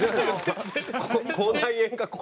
口内炎がここ。